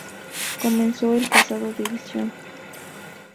Comenzó el pasado División.